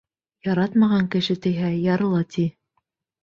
Яратмаған кеше тейһә, ярыла, ти.